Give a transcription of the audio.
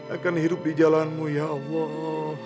akan hidup di jalan mu ya allah